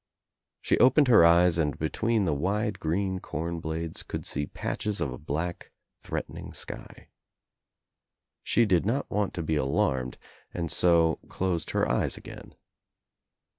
She opened her eyes and between the wide green corn blades could sec patches of a black threatening sky. She did not want to be alarmed and so closed her eyes again.